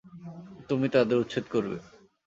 তুমি তাদের উচ্ছেদ করবে।